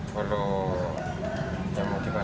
kalau dia mau dibawa